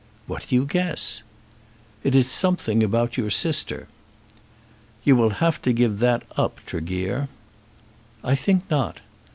"What do you guess?" "It is something about your sister." "You will have to give that up, Tregear." "I think not."